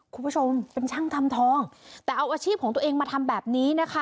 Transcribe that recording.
คุณผู้ชมเป็นช่างทำทองแต่เอาอาชีพของตัวเองมาทำแบบนี้นะคะ